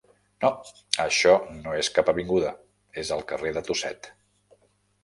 No, això no és cap avinguda, és el carrer de Tusset.